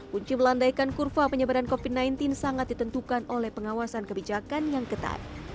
kunci melandaikan kurva penyebaran covid sembilan belas sangat ditentukan oleh pengawasan kebijakan yang ketat